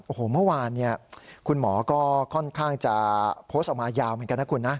โอ้โหเมื่อวานเนี่ยคุณหมอก็ค่อนข้างจะโพสต์ออกมายาวเหมือนกันนะคุณนะ